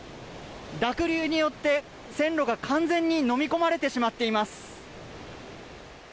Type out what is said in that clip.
濁流によって線路が完全にのみ込まれてしまっています。